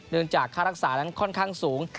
เนื่องจากค่ารักษานั้นค่อนข้างสูง